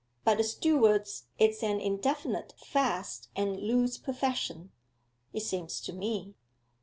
But a steward's is an indefinite fast and loose profession, it seems to me.